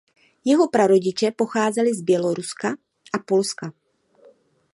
Jeho prarodiče pocházeli z Běloruska a Polska.